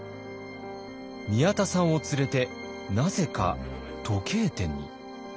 宮田さんを連れてなぜか時計店に。